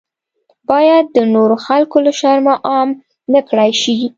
باید د نورو خلکو له شرمه عام نکړای شي.